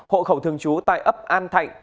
hộ khẩu thường chú tại ấp an thạnh